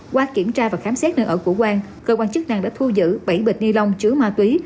qua kiểm tra và khám xét nơi ở của quang cơ quan chức năng đã thu giữ bảy bịch ni lông chứa ma túy